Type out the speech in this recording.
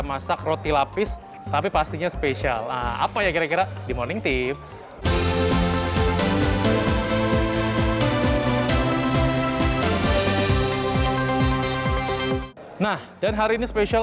masak roti lapis tapi pastinya spesial apa ya kira kira di morning tips nah dan hari ini spesial